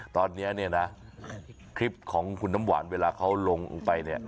ตอนนี้เนี่ยนะคลิปของคุณน้ำหวานเวลาเขาลงไปเนี่ย